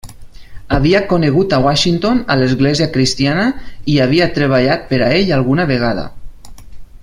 Havia conegut a Washington a l'Església Cristiana i havia treballat per a ell alguna vegada.